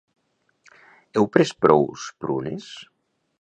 Heu pres prous prunes?